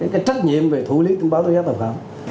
cái trách nhiệm về thủ lý thông báo tối giá tội phạm